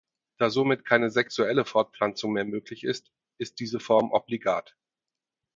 Da somit keine sexuelle Fortpflanzung mehr möglich ist, ist diese Form obligat.